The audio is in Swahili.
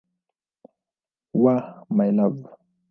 wa "My Love".